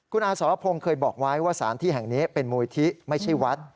คุณอาสรพงศ์เคยบอกไว้ว่าสารที่แห่งนี้เป็นมูลที่ไม่ใช่วัด